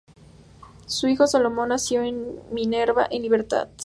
Su hijo Solomon nació en Minerva en libertad.